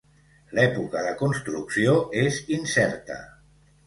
L'època de construcció és incerta.